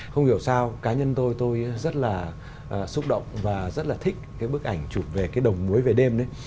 không hiểu sao cá nhân tôi tôi rất là xúc động và rất là thích cái bức ảnh chụp về cái đồng muối về đêm đấy